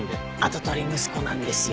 跡取り息子なんですよ。